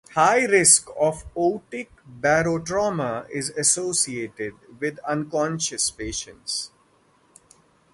High risk of otic barotrauma is associated with unconscious patients.